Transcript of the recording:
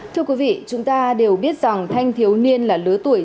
thưa quý vị chúng ta đều biết rằng thanh thiếu niên là lứa tuổi